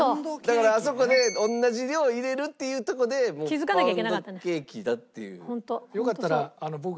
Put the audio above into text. だからあそこで同じ量入れるっていうとこでパウンドケーキだっていう。